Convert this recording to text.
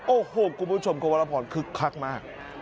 โอ้โหคุณผู้ชมโครงพลปรคลั๊กมาก